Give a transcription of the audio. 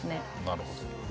なるほど。